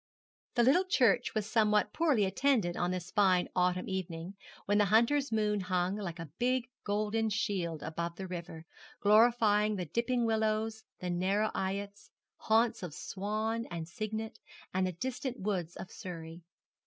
The little church was somewhat poorly attended on this fine autumn evening, when the hunter's moon hung like a big golden shield above the river, glorifying the dipping willows, the narrow eyots, haunts of swan and cygnet, and the distant woodlands of Surrey.